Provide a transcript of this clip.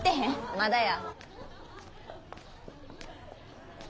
まだや。